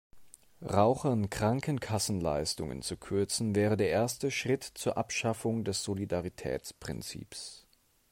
Rauchern Krankenkassenleistungen zu kürzen, wäre der erste Schritt zur Abschaffung des Solidaritätsprinzips.